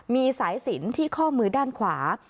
มีสายสินที่ข้อมือด้านขวา